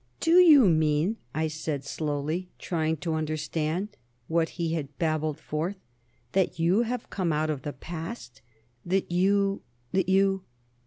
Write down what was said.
"Do you mean," I said slowly, trying to understand what he had babbled forth, "that you have come out of the past? That you ... that you...."